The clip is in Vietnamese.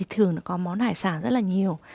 thường có món hải sản rất là nhiều